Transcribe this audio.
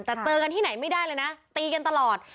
แต่เจอกันที่ไหนไม่ได้เลยนะตีกันตลอด